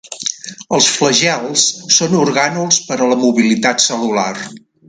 Els flagels són orgànuls per a la mobilitat cel·lular.